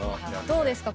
どうですか？